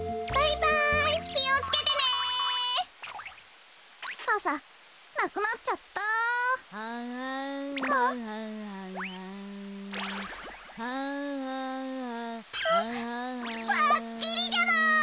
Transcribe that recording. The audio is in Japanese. ばっちりじゃない！